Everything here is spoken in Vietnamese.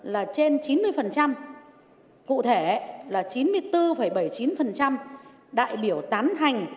là trên chín mươi cụ thể là chín mươi bốn bảy mươi chín đại biểu tán thành